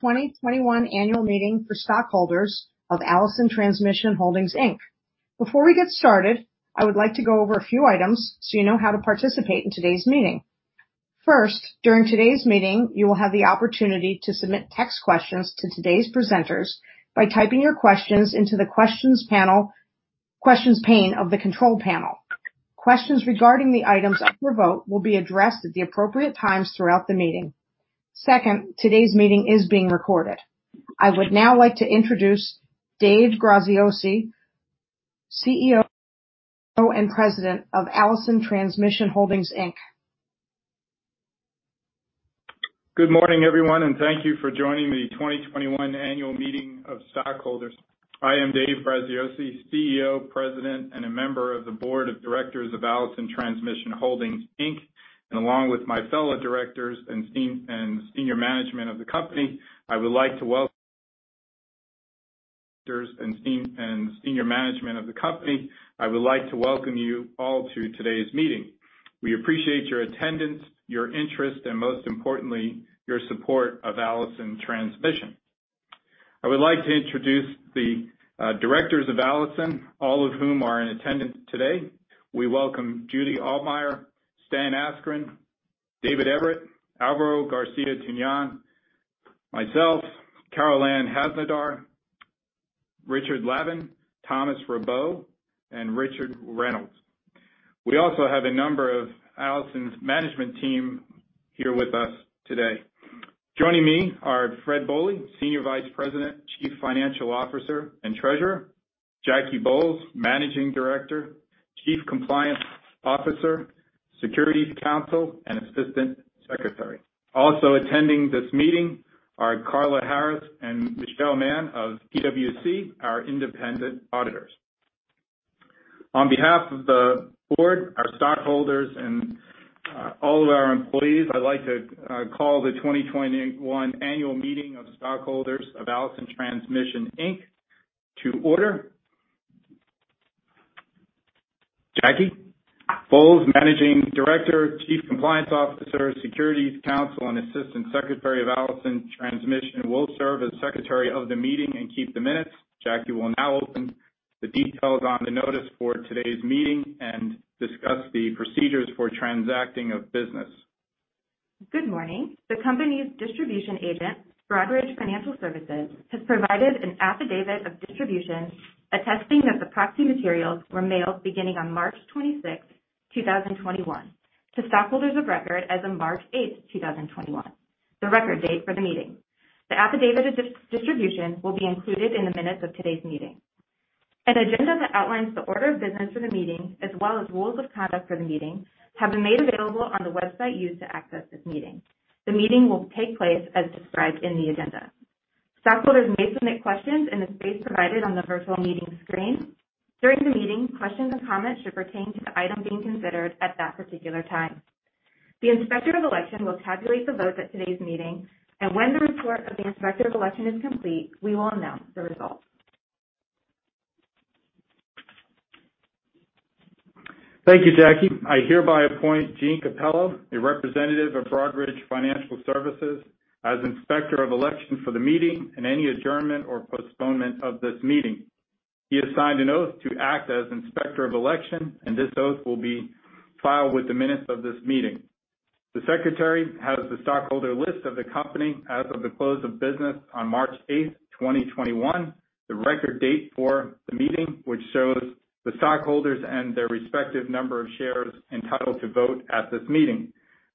2021 annual meeting for stockholders of Allison Transmission Holdings, Inc. Before we get started, I would like to go over a few items so you know how to participate in today's meeting. First, during today's meeting, you will have the opportunity to submit text questions to today's presenters by typing your questions into the questions pane of the control panel. Questions regarding the items up for vote will be addressed at the appropriate times throughout the meeting. Second, today's meeting is being recorded. I would now like to introduce Dave Graziosi, CEO and President of Allison Transmission Holdings, Inc. Good morning, everyone, and thank you for joining the 2021 Annual Meeting of Stockholders. I am Dave Graziosi, CEO, President, and a member of the Board of Directors of Allison Transmission Holdings, Inc. And along with my fellow directors and senior management of the company, I would like to welcome you all to today's meeting. We appreciate your attendance, your interest, and most importantly, your support of Allison Transmission. I would like to introduce the directors of Allison, all of whom are in attendance today. We welcome Judy Altmaier, Stan Askren, David Everitt, Alvaro Garcia-Tunon, myself, Carolann Haznedar, Richard Lavin, Thomas Rabaut, and Richard Reynolds. We also have a number of Allison's management team here with us today. Joining me are Fred Bohley, Senior Vice President, Chief Financial Officer, and Treasurer. Jackie Bolles, Managing Director, Chief Compliance Officer, Securities Counsel, and Assistant Secretary. Also attending this meeting are Carla Harris and Michelle Mann of PwC, our independent auditors. On behalf of the board, our stockholders, and all of our employees, I'd like to call the 2021 Annual Meeting of Stockholders of Allison Transmission, Inc. to order. Jackie Bolles, Managing Director, Chief Compliance Officer, Securities Counsel, and Assistant Secretary of Allison Transmission, will serve as Secretary of the meeting and keep the minutes. Jackie will now open the details on the notice for today's meeting and discuss the procedures for transacting of business. Good morning. The company's distribution agent, Broadridge Financial Solutions, has provided an affidavit of distribution, attesting that the proxy materials were mailed beginning on March 26, 2021 to stockholders of record as of March 8, 2021, the record date for the meeting. The affidavit of distribution will be included in the minutes of today's meeting. An agenda that outlines the order of business for the meeting, as well as rules of conduct for the meeting, have been made available on the website used to access this meeting. The meeting will take place as described in the agenda. Stockholders may submit questions in the space provided on the virtual meeting screen. During the meeting, questions and comments should pertain to the item being considered at that particular time. The Inspector of Election will tabulate the votes at today's meeting, and when the report of the Inspector of Election is complete, we will announce the results. Thank you, Jackie. I hereby appoint Gene Capello, a representative of Broadridge Financial Solutions, as Inspector of Election for the meeting and any adjournment or postponement of this meeting. He has signed an oath to act as Inspector of Election, and this oath will be filed with the minutes of this meeting. The Secretary has the stockholder list of the company as of the close of business on March 8, 2021, the record date for the meeting, which shows the stockholders and their respective number of shares entitled to vote at this meeting.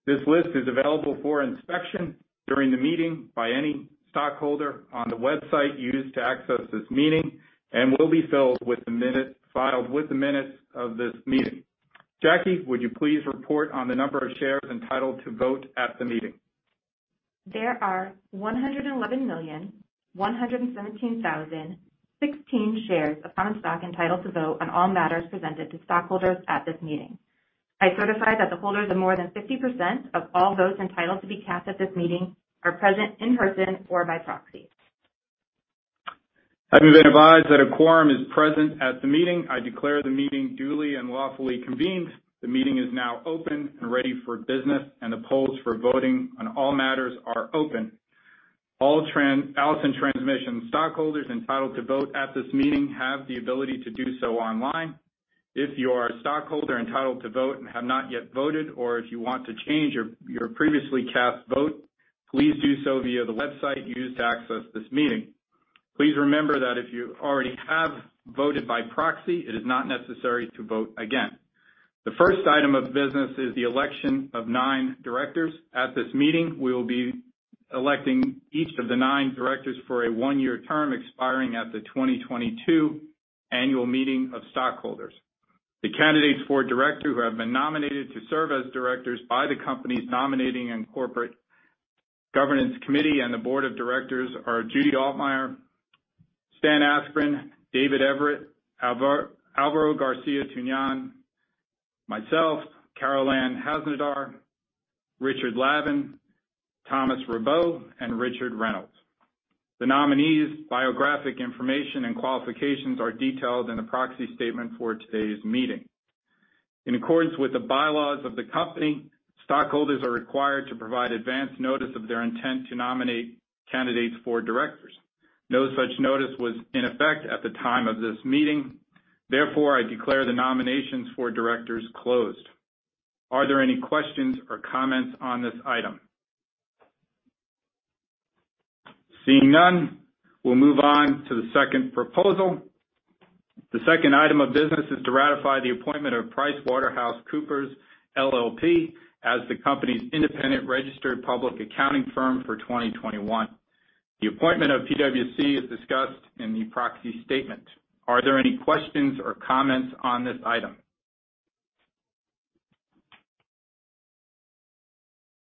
This list is available for inspection during the meeting by any stockholder on the website used to access this meeting, and will be filed with the minutes of this meeting. Jackie, would you please report on the number of shares entitled to vote at the meeting? There are 111,117,016 shares of common stock entitled to vote on all matters presented to stockholders at this meeting. I certify that the holders of more than 50% of all votes entitled to be cast at this meeting are present in person or by proxy. Having been advised that a quorum is present at the meeting, I declare the meeting duly and lawfully convened. The meeting is now open and ready for business, and the polls for voting on all matters are open. All Allison Transmission stockholders entitled to vote at this meeting have the ability to do so online. If you are a stockholder entitled to vote and have not yet voted, or if you want to change your previously cast vote, please do so via the website used to access this meeting. Please remember that if you already have voted by proxy, it is not necessary to vote again. The first item of business is the election of nine directors. At this meeting, we will be electing each of the nine directors for a one-year term, expiring at the 2022 annual meeting of stockholders. The candidates for director who have been nominated to serve as directors by the company's Nominating and Corporate Governance Committee and the board of directors are Judy Altmaier, Stan Askren, David Everitt, Alvaro Garcia-Tunon, myself, Carolann Haznedar, Richard Lavin, Thomas Rabaut, and Richard Reynolds. The nominees' biographic information and qualifications are detailed in the proxy statement for today's meeting. In accordance with the bylaws of the company, stockholders are required to provide advance notice of their intent to nominate candidates for directors. No such notice was in effect at the time of this meeting. Therefore, I declare the nominations for directors closed. Are there any questions or comments on this item? Seeing none, we'll move on to the second proposal. The second item of business is to ratify the appointment of PricewaterhouseCoopers LLP as the company's independent registered public accounting firm for 2021. The appointment of PwC is discussed in the proxy statement. Are there any questions or comments on this item?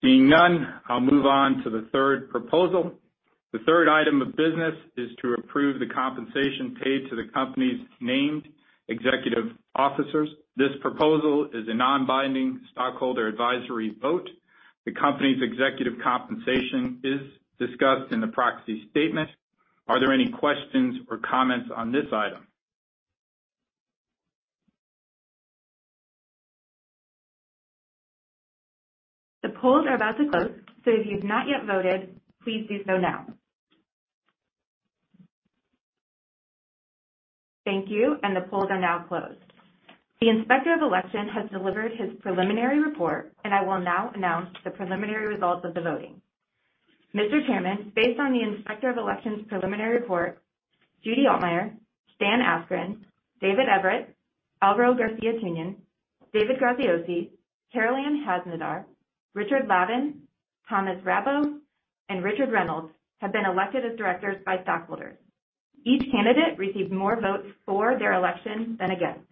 Seeing none, I'll move on to the third proposal. The third item of business is to approve the compensation paid to the company's named executive officers. This proposal is a non-binding stockholder advisory vote. The company's executive compensation is discussed in the proxy statement. Are there any questions or comments on this item? The polls are about to close, so if you've not yet voted, please do so now. Thank you, and the polls are now closed. The Inspector of Election has delivered his preliminary report, and I will now announce the preliminary results of the voting. Mr. Chairman, based on the Inspector of Election's preliminary report, Judy Altmaier, Stan Askren, David Everitt, Alvaro Garcia-Tunon, David Graziosi, Carolann Haznedar, Richard Lavin, Thomas Rabaut, and Richard Reynolds have been elected as directors by stockholders. Each candidate received more votes for their election than against.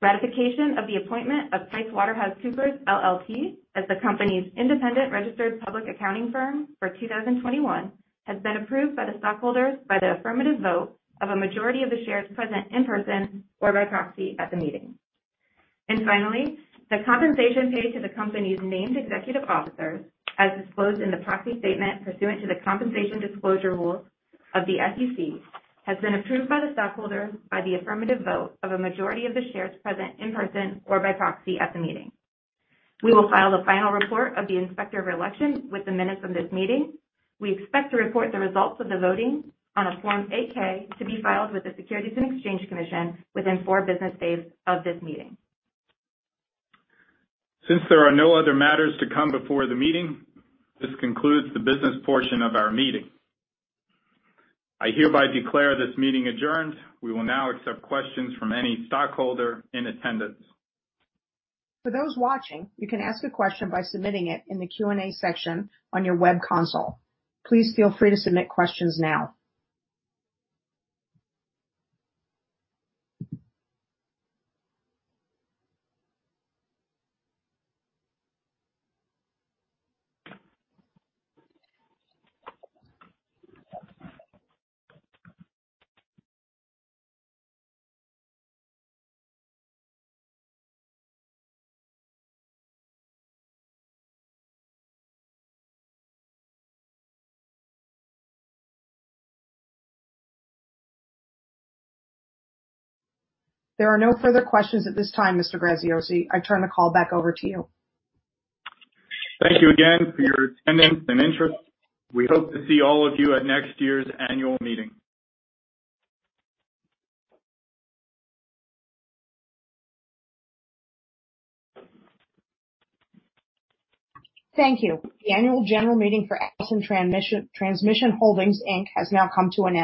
Ratification of the appointment of PricewaterhouseCoopers LLP as the company's independent registered public accounting firm for 2021 has been approved by the stockholders by the affirmative vote of a majority of the shares present in person or by proxy at the meeting. And finally, the compensation paid to the company's named executive officers, as disclosed in the proxy statement pursuant to the Compensation Disclosure Rule of the SEC, has been approved by the stockholder, by the affirmative vote of a majority of the shares present in person or by proxy at the meeting. We will file a final report of the Inspector of Election with the minutes of this meeting. We expect to report the results of the voting on a Form 8-K, to be filed with the Securities and Exchange Commission within four business days of this meeting. Since there are no other matters to come before the meeting, this concludes the business portion of our meeting. I hereby declare this meeting adjourned. We will now accept questions from any stockholder in attendance. For those watching, you can ask a question by submitting it in the Q&A section on your web console. Please feel free to submit questions now. There are no further questions at this time, Mr. Graziosi. I turn the call back over to you. Thank you again for your attendance and interest. We hope to see all of you at next year's annual meeting. Thank you. The annual general meeting for Allison Transmission Holdings, Inc. has now come to an end.